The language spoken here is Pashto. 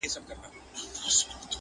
چي د شپې به مړی ښخ سو په کفن کي!.